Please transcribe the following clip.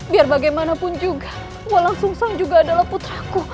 biar bagaimanapun juga walang sumsong juga adalah putraku